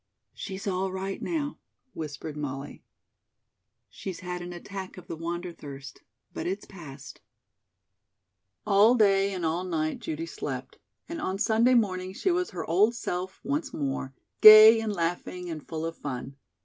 "She's all right now," whispered Molly. "She's had an attack of the 'wanderthirst,' but it's passed." All day and all night Judy slept, and on Sunday morning she was her old self once more, gay and laughing and full of fun.